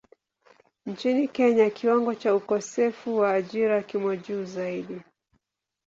Nchini Kenya kiwango cha ukosefu wa ajira kimo juu sana.